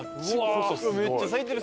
めっちゃ咲いてる。